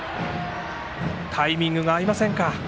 タイミングが合いません。